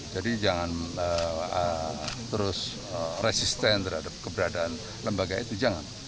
jadi jangan terus resisten terhadap keberadaan lembaga itu jangan